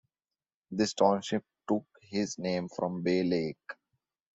This township took its name from Bay Lake.